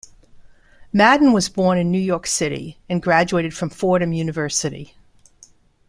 Madden was born in New York City and graduated from Fordham University.